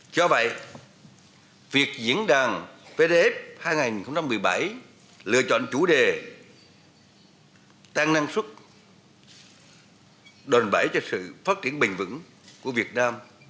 cho vậy việc diễn đàn vdf hai nghìn một mươi bảy lựa chọn chủ đề tăng năng suất đồn bẫy cho sự phát triển bình vững của việt nam